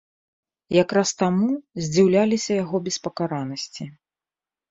Якраз таму здзіўляліся яго беспакаранасці.